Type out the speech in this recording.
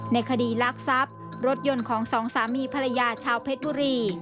ในคดีลักทรัพย์รถยนต์ของสองสามีภรรยาชาวเพชรบุรี